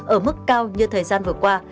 ở mức cao như thời gian vừa qua